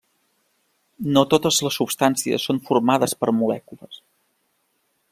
No totes les substàncies són formades per molècules.